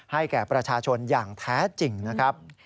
แก่ประชาชนอย่างแท้จริงนะครับ